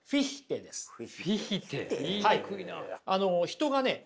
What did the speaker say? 人がね